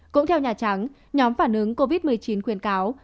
cũng theo nhà trắng nhóm phản ứng covid một mươi chín khuyến cáo